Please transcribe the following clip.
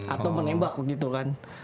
atau menembak gitu kan